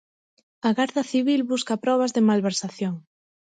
A garda civil busca probas de malversación.